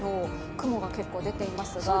雲が結構出ていますが。